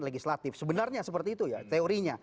legislatif sebenarnya seperti itu ya teorinya